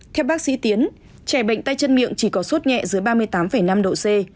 theo bác sĩ tiến trẻ bệnh tay chân miệng chỉ có suốt nhẹ dưới ba mươi tám năm độ c